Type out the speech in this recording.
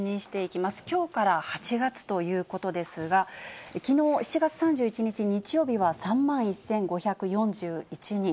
きょうから８月ということですが、きのう７月３１日日曜日は３万１５４１人。